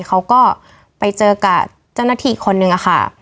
เขาก็ไปเจอกับเจ้าหน้าที่อีกคนนึงค่ะ